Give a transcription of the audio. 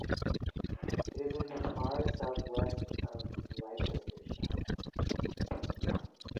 It is in the far south-west of Leicestershire.